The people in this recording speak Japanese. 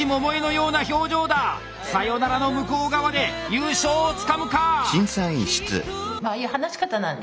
さよならの向こう側で優勝をつかむか？